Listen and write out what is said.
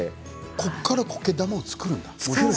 ここからこけ玉を作るんだ。